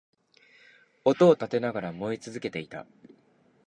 音を立てながら燃え続けていた